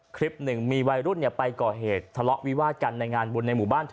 คลิปหนึ่งมีวัยรุ่นไปก่อเหตุทะเลาะวิวาดกันในงานบุญในหมู่บ้านเธอ